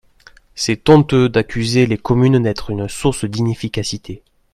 C’est honteux d’accuser les communes d’être une source d’inefficacité.